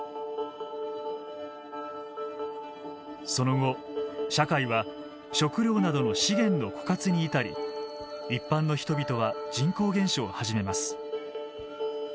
その後社会は食料などの資源の枯渇に至り一般の人々は人口減少を始めます。